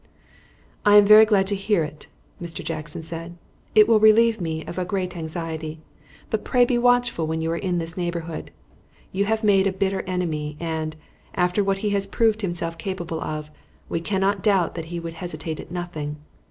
"I am very glad to hear it," Mr. Jackson said. "It will relieve me of a great anxiety. But pray be watchful when you are in this neighborhood. You have made a bitter enemy, and, after what he has proved himself capable of, we cannot doubt that he would hesitate at nothing.